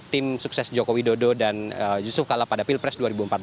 tim sukses joko widodo dan yusuf kala pada pilpres dua ribu empat belas